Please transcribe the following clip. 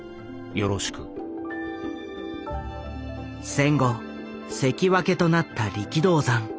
戦後関脇となった力道山。